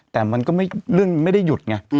แต่มันก็เรื่องไม่ได้หยุดไง